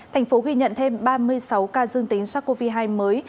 thành phố ghi nhận thêm ba mươi sáu ca dương tính sars cov hai mới